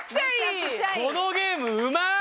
このゲームうまっ！